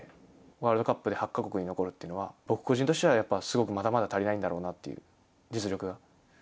ワールドカップで８か国に残るというのは、僕個人としてはやっぱ、すごくまだまだ足りないんだろうなっていう、実力が。